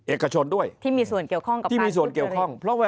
เอกชนด้วยที่มีส่วนเกี่ยวข้องกับการทุจจริต